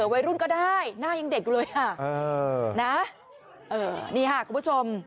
วัยรุ่นก็ได้หน้ายังเด็กอยู่เลยอ่ะนะนี่ค่ะคุณผู้ชม